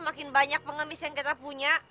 makin banyak pengemis yang kita punya